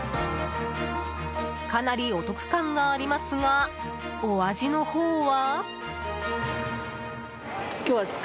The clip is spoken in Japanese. かなりお得感がありますがお味のほうは？